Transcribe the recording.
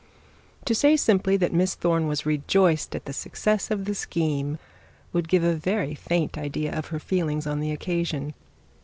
To say simply that Miss Thorne was rejoiced at the success of the schemed, would give a very faint idea of her feelings on the occasion.